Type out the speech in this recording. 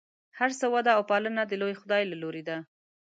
د هر څه وده او پالنه د لوی خدای له لورې ده.